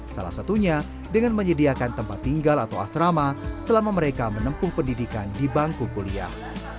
salah satunya dengan menyediakan tempat tinggal atau asrama selama mereka menempuh pendidikan di bangku kuliah